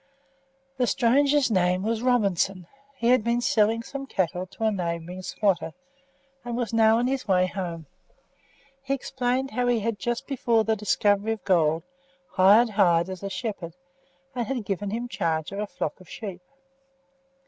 The stranger's name was Robinson; he had been selling some cattle to a neighbouring squatter, and was now on his way home. He explained how he had, just before the discovery of gold, hired Hyde as a shepherd, and had given him charge of a flock of sheep.